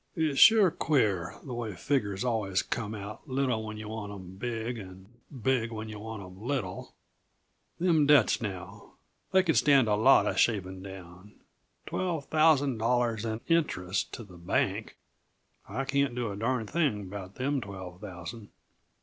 It's sure queer, the way figures always come out little when yuh want 'em big, and big when yuh want 'em little! Them debts now they could stand a lot uh shavin' down. Twelve thousand dollars and interest, to the bank I can't do a darn thing about them twelve thousand.